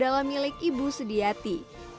adalah milik ibu sediati